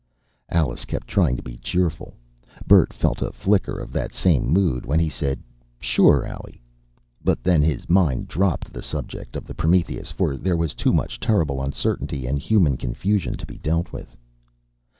Alice kept trying to be cheerful. Bert felt a flicker of that same mood when he said, "Sure, Allie." But then his mind dropped the subject of the Prometheus. For there was too much terrible uncertainty and human confusion to be dealt with.